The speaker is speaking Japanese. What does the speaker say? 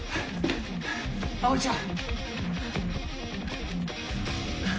葵ちゃん！